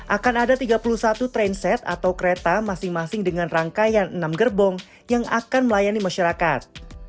akan ada tiga puluh satu trainset atau kereta masing masing dengan rangkaian enam gerbong yang akan melayani masyarakat